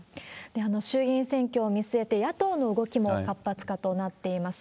衆院選挙を見据えて、野党の動きも活発化となっています。